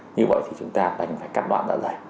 như vậy thì chúng ta phải cắt đoạn dạ dày